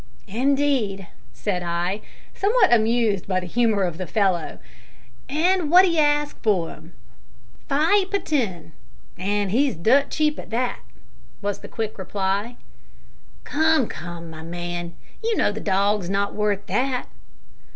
"Indeed," said I, somewhat amused by the humour of the fellow; "and what do you ask for him?" "Fi' pun ten, an' he's dirt cheap at that," was the quick reply. "Come, come, my man, you know the dog is not worth that."